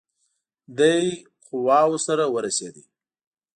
دی قواوو سره ورسېدی.